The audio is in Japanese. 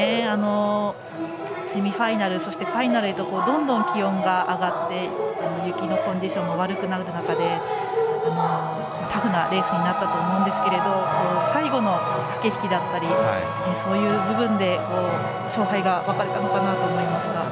セミファイナルそしてファイナルとどんどん気温が上がって雪のコンディションも悪くなる中でタフなレースになったと思うんですけども最後の駆け引きだったりそういう部分で勝敗が分かれたのかなと思いました。